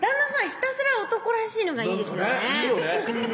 ひたすら男らしいのがいいですよねいいよね